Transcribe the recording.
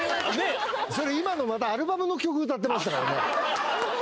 今のまたアルバムの曲歌ってましたからね。